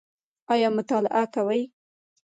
ایا مطالعه کوئ؟